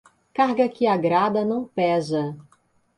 Carga que agrada não pesa.